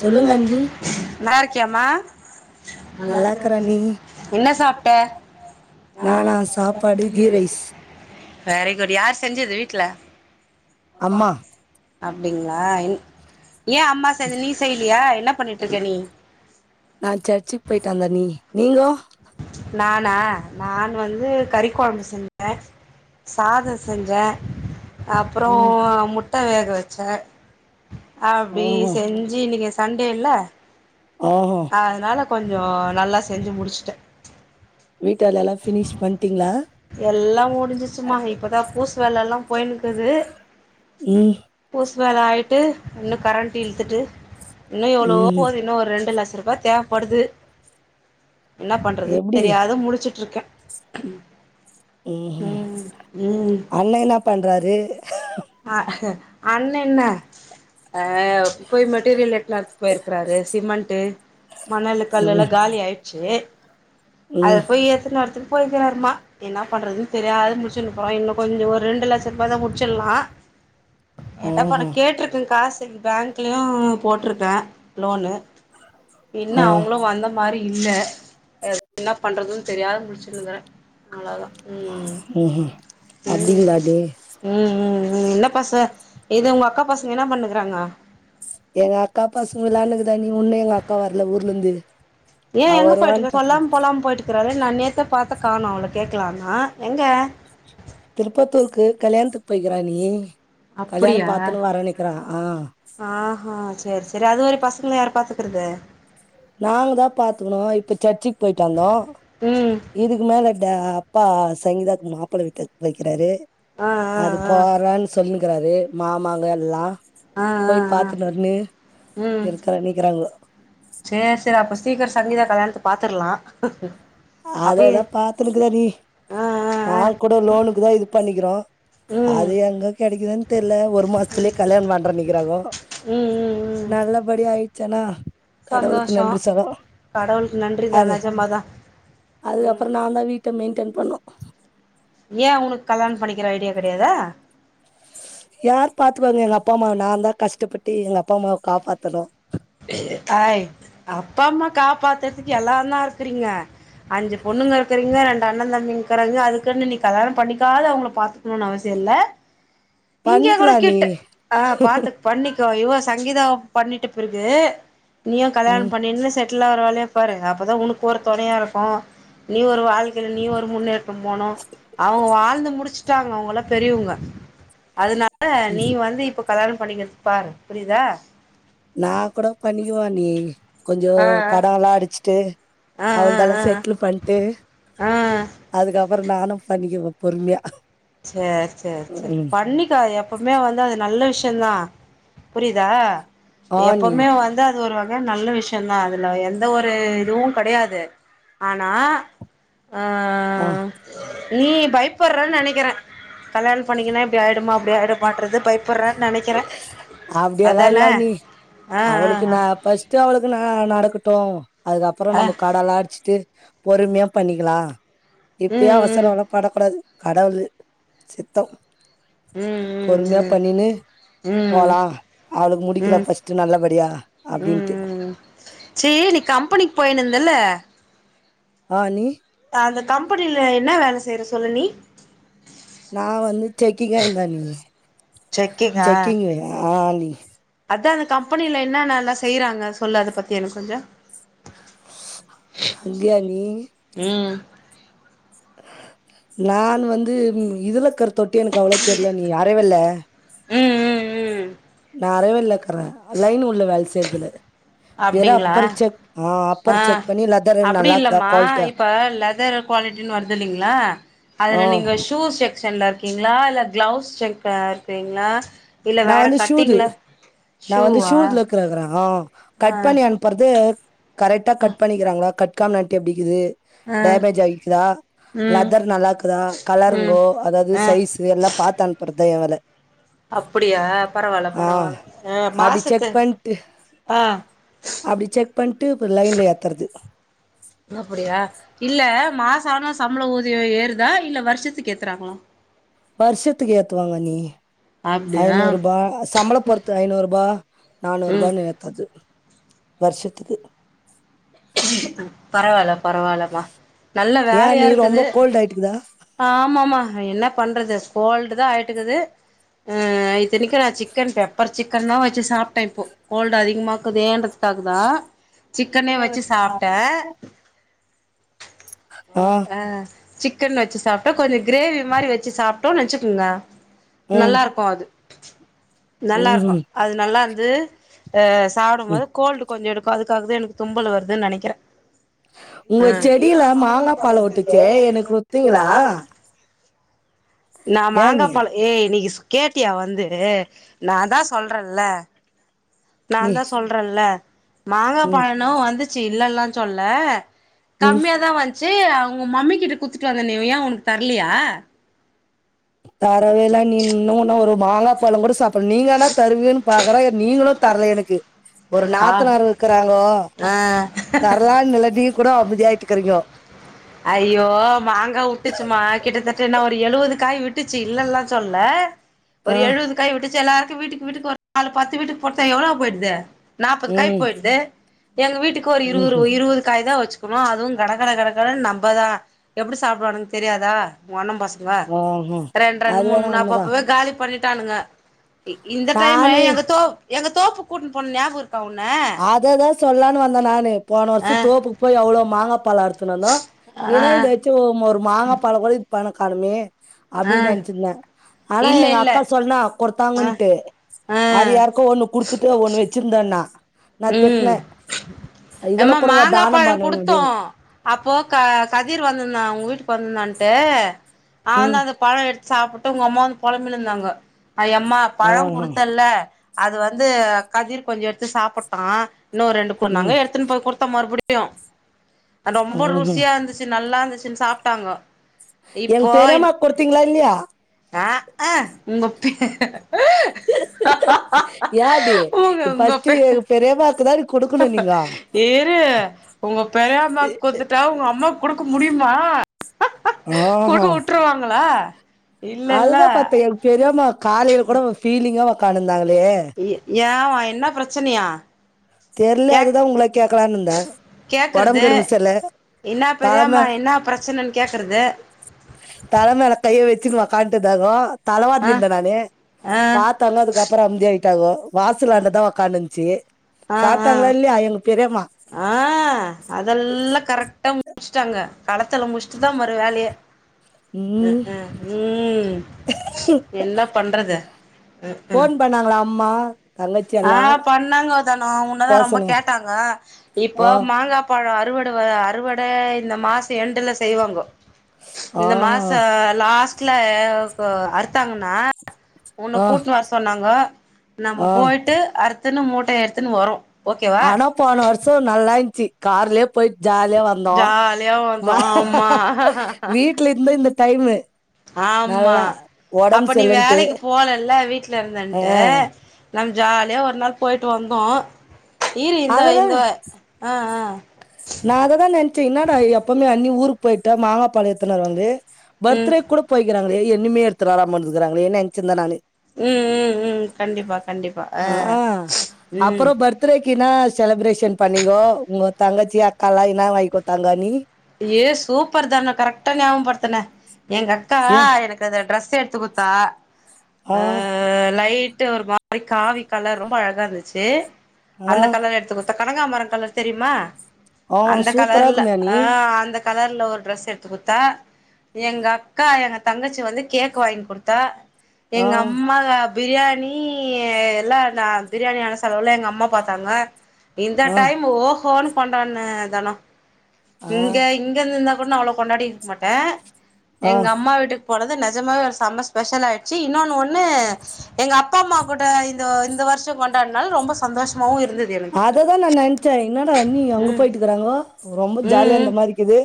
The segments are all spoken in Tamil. சொல்லுங்க அண்ணி நல்லாரு க்கியா மா நல்லாக்கற அண்ணி என்ன சாப்ட்ட நானா சாப்பாடு கீ ரைஸ் வெரி குட் யார் செஞ்சது வீட்ல அம்மா அப்டிங்களா ஏ அம்மா செஞ்ச நீ செய்லியா என்னா பண்ணியிட்ருக்க நீ நா சர்ச்சுக் போயிட்டந்த அண்ணி நீங்கோ நானா நான் வந்து கறிக்கொழம்பு செஞ்ச சாதொ செஞ்ச அப்றோ ம் முட்ட வேக வெச்ச அப்டி ஓஹோ செஞ்சு நீங்க சண்டேல்ல ஓஹோ அதனால கொஞ்ச நல்லா செஞ்சு முடிச்சுட்ட வீட்டு வேலை எல்லா ஃபினிஷ் பண்ட்டிங்ளா எல்லா முடிஞ்சிச்சுமா இப்பதா பூசு வேல எல்லா போயினுக்குது ம் பூ சு வேல ஆயிட்டு இன்னு கரண்ட் இழுத்துட்டு இன்னு எவ்வளவோ ம் போது இன்னு ஒரு ரெண்டு லட்சரு வா தேவப்படுது என்ன பண்றதுன் எப்டி தெரியாத முழிச்சுட்ருக்க ம் ம் அண்ண என்ன பண்றாரு அ அண்ண என்ன அ போயி மெட்டீரியல் எடுக்லான்ட்டு போயிருக்றாரு சிமெண்ட்டு மணலு கல்லெல்லா ம் காலி ஆயிர்ச்சு அத ம் போய் எத்துனு வரத்துக்கு போய் [unintelligible] என்னா பண்ணறதுன் தெரியாது முழிச்சுன்ருக்கோ இன்னு கொஞ்சொ ஒரு ரெண்டு லட்சருபா தா முடிச்சில்லா என்ன பண ஓஹோ கேட்ருக்க காஸ் பேங்க் க்லியு போட்ருக்க லோனு இன்னு ஆ அவ்ங்களு வந்த மாரி இல்ல [unintelligible] என்ன பண்றதுன் தெரியாத முழிச்சுனுகுறே அவ்ளோ தா ம் ம்ஹும் ம் அப்டிங்களா அண்ணி ம் ம் எண்ணெ பச இது உங்க அக்கா பசங்க என்னா பண்ணுக்குறாங்க. எங்க அக்காப்பசங்க வெளாண்டுக்கு தண்ணி முன்னே எங்க அக்கா வர்ல ஊர்ல இருந்து. ஏ அவ எங்க வருவான்னு போயிட்டுக்க சொல்லாம பாத்துன்னு கொல்லாம போயிட்டு க்குறாரு நா நேத்துதா பாத்தே காணோ அவள கேக்கலானா எங்க திருப்பத்தூருக்கு கல்யாணத்துக்கு போயிருக்குறாணி. அப்படியா ஆ ஆஹா சேரி சேரி அது வரையு பசங் ள யார் பாத்துக்கறது. நாங்க தா பாத்துக்ணு இப்ப சர்ச்சுக்கு போயிட்டு வந்தோ ம் இதுக்கு மேல ட அப்பா சங்கீதாக்கு மாப்பிள வீட்டுக் போயிர்க்கிறாரு. ஆ ஆ அது ஆ போறனு சொல்லி க்கறாரு மாமாங்க எல்லா ஆ ஆ போய் ஆ பாத்துணு வான்னு இருக்கறேனிக்கிறாங்க. சேர் சேரி அப்ப சீக்கிரோ சங்கீதா கல்யாணத்த பாத்தர்லா அததா பாத்துனுக்குறேணி ஆ ஆ நா ஆ கூட லோனுக்கு தா இது பண்ணி க்கிறோ ம் ம் அது எங்க கெடைக்குதுன் தெரில ஒரு மாசத்துலயே கல்யாணம் பண்றேனிக்கிறாங்கோ ம் ம் நல்லபடியா ஆயிட் ச்சனா சந்தோஷோ கடவுளுக்கு நன்றி தா நெஜமா தா அதுக்கப்றோ நா தா வீட்ட மெயின்டெய்ன் பண்ணூ ஏன் உனுக் கல்யாணம் பண்ணிக்கிற ஐடியா கிடையாதா யார் பாத்துபாங்க எங்க அப்பா அம்மாவ நா தா கஷ்டப்பட்டு எங்க அப்பா அம்மாவ காப்பாத்தணு ஆய் அப்பா அம்மா காப் பாத்தற்துக்கு எல்லா தா இருக்குறீங்க அஞ்சு பொண்ணுங்க இருக்கறீங்க ரெண்டு அண்ணன் தம்பிங்குறாங்க அதுக்குன்னு நீ கல்யாணம் பண்ணிக்காத அவங்கள பாத்துக்குணோன்னு அவசியோ இல்ல இங்க கூட பண்ணிக்கலாம் அண்ணி கிட்டு ஆ பாத்துக் பண்ணி துவ இவ சங்கீதாவ பண்ணிட்டுப் பிற்கு நீயு கல்யாணம் ம் பண்ணினு செட் டிளாற வேலைய பாரு அப்பதா உனுக்கு ஒரு தொணையா இருக்கூ நீ ஒரு வாழ் க்கையில நீ ஒரு முன்னேற்றம் போனூ அவங்க வாழ்ந்து முடிச்சுட்டாங்க அவங்கல்லா பெரியவங்க அதனால நீ வந்து இப்போ கல்யாணம் பண்ணங்கறத பாரு புரிதா ந கூட பண்ணிகுவ அண்ணி கொஞ்சோ ஆ கடம் எல்லாம் அடிச்சுட்டு ஆ ஆ அவள்தா எலாம் ஆ செட்டில் பண்ணிட்டு ஆ ஆ அதுக்கபறம் நானும் பண்ணிக்குவேன் பொறுமையா சேர் சேர் செரி ம் பண்ணிக்க எப்பவுமே வந்து அது நல்ல விஷயம் ட்டுந்தா புரியுதா ஆ அண்ணி எப்பவுமே வந்து அது ஒரு வகு இதே நல்ல விஷ்யம் தான் அதுல எந் எந்த ஒரு இதுவும் கெடையாது ஆனா ஆ ஆ ஆ நீ பயப்பறன்னு நெனைக்கிறே கல்யாண் பண்ணிக்கங்கனா இப்படி ஆயிடுமா அப்படி ஆயிடுமாறது பைப் அப்படியெல்லா இல்ல அண்ணி ஆ ஆ அவளுக்கு ஆ நான் பஸ்ட் அவளுக்கு நா நடக்கு டும் அதுக்கப்புறம் ஆ நம்ம கடல அடிச்சிட்டு பொறுமையா பண்ணிக்கலா இப்பயே ம் அவசரம்ல்லாம் படக்கூடாது கடவுள் சித்தம் ம் பொர்மய ம் பன்னினு ம் ம் போலாம் அவளுக்கு ம் ம் ம் முடிக்கல ம் பஸ்ட் நல்லபடியா ம் அப்படின்ட்டு ம் சேரி நீ கம்பெனிக்கு [unintelligible] ஆ நீ அந்த கம்பெனியில என்ன வேலை செய்ற சொல்லு நீ நா வந்து செக்கிங்கா இருந்த நீ செக்கிங்க அண்ணி அதான் கம்பெனில என்ன நல்லா செய்யறாங்க சொல்லு அத பத்தி எனக்கு கொஞ்சம் [unintelligible] ம் நான் வந்து நீ இதுல கரு தொட்டி எனக்கு அவ்வளோ தெரியல நீ அறவேல ம் ம்ம் ம்ம் நிறைய வே இருக்குறேன் லைனுும் உள்ள வேலை செய்யறதுல அப்படிங்களா அப்பர் ஆஹ செக் பண்ணி லெதர் அப்படி நல்லா இருக்குதா இல்லமா குவாலிட்டியா இப்ப லெதர் குவாலிட்டினு வருத்தில்லிங்களா ஆ அதுல நீங்க ஷூஸ் செக் [unintelligible] இருக்கீங்களா இல்ல கிளவுஸ் செக் இருக்கீங்க நா வந்து ஷூது நா வந்து ஷூவா ஷூதுல இருக்குறவரா. ஆ கட் பண்ணி அனுப்பறது [unintelligible] கரெக்டா கட் பண்ணிக்குறாங்களா கட் கம்நாட்டி அப்டிக்குது. ஆ டேமேஜ் ஆகிக்குதா ம் லெதர் நல்லா இருக்குதா ம் கலருங்கோ அதாவது சைஸ் எல்லா பா்த்து அனுப்புறது. தயவல அப்டியா பரவால்ல ஆ பரவால்ல அ அப்டி மாசத்து செக் பண்ணிட்டு ஆ அப்டி செக் பண்ணட்டு அறப் ற ஏத்துறது அப்புடியா இல்ல மாசனா சம்பளோ ஊதியோ ஏறுதா இல்ல வருஷத்துக்கு ஏத்துறாங்களா. வருஷத்துக்கு ஏத்துவாங்க அண்ணி அப்டியா ஐநூறு ரூபா சம்பள போறத்து ஐநூறு ரூபா நானூறு ம் ரூபானு ஏத்தாது வருஷத்துக்கு பரவாலப் பரவாயில்லமா நல்ல ஏ வேலயா அண்ணி ரொம்ப இருக்குது கோல்ட் ஆயிட்டுக்குதா ஆமாம்மா என்ன பண்றது கோல்டு தா ஆயி என்னது. அ இத்தனைக்கு நா சிக்கன் பெப்பர் சிக்கன் தா வச்சு சாப்டே இப்போ கோல்டு அதிகமாக்குதேன்றதுக்காக தா சிக்கனே வச் சாப்ட்டே ஆ ஆ சிக்கன் வச்சு சாப்ட்டோ கொஞ்சோ ஃக்ரேவி மாரி வச்சு சாப்ட்டோ வச்சு நெனச்சு ம் நல்லா இருக்கும் அது நல்லா இருக்கும் ம் அது நல்லா இரு ஆ சாடும்போது ம் கோல்டு கொஞ்சோ இருக்கும் அதுக்கு அதுக்காகதா எனக்கு தும்பல் வர்து. து நெனக்கிறே உங்க செடியில மாங்கா பழோ வுட்டுச்சே எனக்கு ஒடுத்தீங்களா. நா மாங்கா பழம் ஏய் இன்னிக்கி ஸ் கேட்டியா வந்து நா தா சொல்றேன்ல நா நீ தா சொல்றேன்ல மாங்க ம் பழனோ வந்துச்சு இல்லல்லா சொல்ல ம் கம்மியா தா வந்ச் சரி அவ்ங்க மம்மி கிட்ட குத்துட்டுவந்தனே ஏன் உனக்கு தர்லியா? தரவே இல்ல அண்ணி இன்னும் ஒரு மாங்கா பழம் கூட சாப்பல்ல நீங்க ஆனா தருவீன்னு பாக்குறே நீங்களு தரல எனக்கு ஒரு ஆ நாத்தனார் இருக்குறாங்கோ ஆஹ் தரலான்னு இல்லாட்டி கூட அமைதியாயிட்டுக்கிறீங்கோ ஐயோ மாங்கா விட்டுச்சுமா கிட்டத்தட்ட என்ன ஒரு எழுவதுக் காய் விட்டுச்சு இல்லல்லா சொல்ல ஒரு ஆ எழுவது காய் விட்டுச்சி எல்லார்க் க்கு வீட்டு வீட்டுக்கு ஒருநூலு பத்து வீட்டுக்கு பொடுத்த எவ்ளோ போய்டுது நாப்பது காய் ம் போய்டுது எங்க வீட்டுக்கு ஒரு இருவரு ம் இருவது காய் தா வச்சு சொன்னா அதுவு கட கட கட கடனு நம்பதா எப்டி சாப்டுவானுங்க தெரியாதா ஒண்ண பசங் [unintelligible] ரெண்டு ரெண் மூனு வேணா மூனு அப் உண்மதா அப்வே காலி பண்ணிட்டானுங்க இ இந்த டைம்மு நானு எங்க தோ எங்க தோப்பு குட்டுன்போன்ன ஞாப்ருக் அததா சொல்லான்னு வந்த நானு போன ஆ வர்ஷம் தோப்புக்கு போய் எவ்வளோ மாங்க பழ அற்த் சொன்னனா ஆ ஏன்னா இந்ததாச்சு மாங்கபழ [unintelligible] பண காணுமே ஆ அப்டின்னு நெனச்சிருந்தே ஆனா இல்ல எங்க அக்கா இல்ல சொன்னா கெடத் ஆ தாங்குன்ட்டு ஆ அது யாருக்கோ ஒன்னு குடுத்துட்டு ஒன்னு வச்சிருந்த ண்ண உம் இதெல்லா ஏம்மா கூடவா மாங்கா தானம் பழம் பண்ண முடியும்னு குடுத்தோம் அப்போ க கதிர் வந்திருந்தான் உங்க வீட் [unintelligible] பண்ணான்டு ம் அவன்தா அந்த பழ எடுத் சாப்ட்டு உங்க அம்மா வந்து புழம்பியிழுந்தாங்க ஆ ஏம்மா பழம் ஆஹா குடுத்தல்ல அது வந்து கதிர் கொஞ்சம் எடுத்து சாப்புட் [unintelligible] இன்னொறு ரெண்டு [unintelligible] தாங்க ம் எடுத்துன் போய் குடுத்தன் மறுபடி [inaudible] அது ரொம்ப ம் ருசியா இருந்துச்சு நல்லா இருந்துச்சு [unintelligible] சாப்டாங்கோ எங் பெரியம்மா கொடுத்தீங்களா இல்லையா ஆஹ்ஆ உங்கப்பெ ஆ யாடி உங்க உங்க ஃபஸ்ட்டு பெரி எங்க பெரியம்மாக்கு தாடி குடுக்கணு நீங்க இரு உங்க பெரிய அம்மாக்கு குடுத்துட்டா உங்க அம்மாக்கு குடுக்க முடியுமா குடுக்க ஆஹா விட்டுருவாங்களா அதுதா பாத்தே என் பெரியம்மா காலையில கூட அவ பீல் [unintelligible] ய யாவம் என்ன பிரச்சனயா தெர்ல கேக் அதுதா உங்கள கேக்கலான்னு இருந்தே ஒடம்பு கேக்கறது கிடம்பு செர்ல என்ன தலம பெரியம்மா என்ன பிரச்சனன்னு கேக்கறது தலமேல கைய வச்சுன்னு உட்கா ந்ததாகோ ஆ தலவாரினுருந்தே நானு ஆ பாத்தாங்கோ அதுக்கு அப்பறோ அம்தியா ஆ [unintelligible] வாசலாண்டதா ஒக்காந்துருந்துச்சி ஆ ஆ சாப்டாங்ளா இல்லையா எங்க பெரியம்மா ஆ அதெல்லா கரெக்டா முச்ட்டாங்க களத்தல முச் சு தா மறு வேலயே ம் ம்ம் ம் என்ன பண்றது ம்ம் ஃபோன் பண்ணாங்களா அம்மா தங்கச்சி ஆ எல்லா பண்ணாங்க தனோ உன்னதா ரொம்ப பேசனு கேட்டாங்கோ ஆ இப்ப மாங்கா பழோ அத் அறுவட வ அறுவட இந்த மாசோ எண்டுல செய்வாங்கோ ஆ இந்த மாச லாஸ்ட் ட்ல அவ் ப்போ அறுத்தாங்கன்னா உன்ன ஆ கூட்னு வர சொன்னாங்கோ ஆ நம்மப் போய்ட்டு அறுத் துன்னு மூட்டயடுத்துன்னு வரு ஆனா போன வருஸோ நல்லாயின் ச்சு கார்லேயேப் போயிட் ஜாலியா வந்தோ ஜாலியா வந்தோ ஆமா வீட்ல இந்த இந்தத் டைமு ஆம்மா நல்லா ஒடம்பு அப்ப நீ சரியில்லன்ட்டு வேலைக்கு போலல வீட்ல ஆ இருந்தன்ட்டு நம் ஜாலியா ஒரு நாள் போயிட்டு வந்தோ இரி இந்தா அததா இந்த ஆ அ நா அததா நென்ச்சே இன்னாடா எப்பவ்மே அண்ணி ஊருக்கு போயிட்டா மாங்காப்பலோ எத்துன் வர்வாங்ளே ம் பர்த்ரேக் கூட போய்கிறாங்களே ஒன்னுமே எடுத்து வராம இருந்துக்றாங்களேயே நென்ச்சிருந்த நானு ம் ம் ம் கண்டிப்பா கண்டிப்பா ஆ அ அ அப்றோ ம் பர்த்ரேக்கின்னா செலிப்ரேஷன் பண்ணிங்கோ உங்க தங்கச் ச்சி அக்காலா என்னா வாய்ங்குத்தாங்க அண்ணி ஏ சூப்பர் தன கரக்டா ஞாமப்பர்த்துன எங்கக்கா ஏ எனக்கந்த ட்ரெஸ் எத்து குத் தா ஆ லைட் ட்டு ஒரு மாரி காவி கலர் ரொம்ப அழகாந்துச்சு அந்த ஆ கலர் எத்து குத்தாக் கனகாமரோ கலர் தெரியுமா ஆ அந்த சூப்பரா கலர்ல இருங்குமே அண்ணி ஆ அந்தக் கலர்ல ஒரு ட்ரெஸ் எடுத்து குட்த்தா எங்க அக்கா எங்க தங்கச்சி வந்து கேக்கு வாங்கி குடுத்தா ஆ எங்க அம்மா [unintelligible] பிரியாணி எல்லா நா பிரியாணியான செலவுல எங்க அம்மா பாத்தாங்க இந்த ஆ டைம் ஓஹோன் கொண்டான்ன தனோ ஆ இங்க இங்க இந்தந்த ஒன்னு அவ்ளோ கொண்டாடி இருக்க மாட்டே ஆ எங்கம்மா வீட்டுக்கு போனது து நெஜமாவே ஒரு சம்ம ஸ்பெஷல் ஆயிர்ச்சு இன்னொன்னு ஒன்னு வருஷோ கொண்டாடுனால ரொம்ப சந்தோஷமாவு இருந்தது எனக்கு அததா நா நென்ச்சே என்னடா அண்ணி அங்க ம் போயிட்டுக்குறாங்கோ ரொம்ப ஜாலியா ம் இருந்த மாரிக்கிது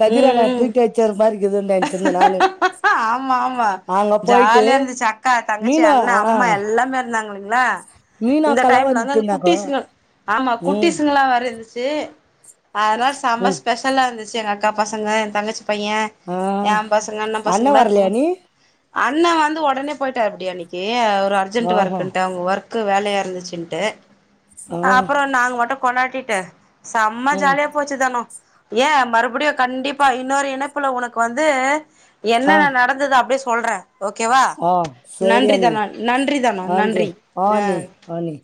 கதிர் ம் அண்ணா ம் ம் ட்ரீட் வச்சது மாரி இருக்குதுன்னு நெனச்சிருந்தே நானு ஆமா ஆமா அங்க போயிட்டு ஜாலியா இருந்துச்சு அக்கா தங்கச்சி மீனா அண்ணா அம் ஆ அம்மா எல்லாமே இருந்தாங்களங் ங்ளா இந்த மீனாக்கல்லா டைம்ல வந்து அந்த வந்துட்டுருந்தாங்கோ குட்டிசுங் ஆமா ம் குட்டிசுங்களா வேற இருந்துச்சு எ ஆனா சாம்பார் ம் ஸ்பெஷலா இருந்துச்சு சேர் அக்கா பசங்க எ தங்கச்சி பைய எ ஆஹ் பசங்க அண்ண பசங்கலா இருக்குங்க வர்லயாண்ணி அண்ண வந்து ஒடனே போயிட்டாப்டி அன்னக்கி ஏ ஒரு அர்ஜென்ட்டு ஆஹா ஒர்குன்ட்டா அவ்ங் ஒர்க் க்கு வேலையா இருந்துச்சுன்ட்டு ஆ அப்றோ நாங்க மட்டு கொண்டாடிட்டு செம்ம ம் ஜாலியா போச்சு தனோ ஏ மறுபடியு கண்டிப்பா இன்னொரு இணைப்புல ஒனக் கு வந்து ஆ என்னன்ன நடந்தது அப்டே சொ சொல்றே ஓகேவா ஆ சேரி நன்றி அண்ணி தனோ நன்றி தனோ ஆ நன்றி ஆ அண்ணி அஹ் ஆ அண்ணி